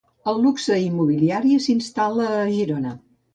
El luxe immobiliari s'instal·la a Girona.